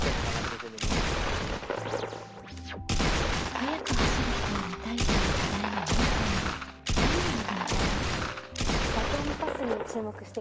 「速く走る人を見たい」という課題のみうさんは何を見てみたいの？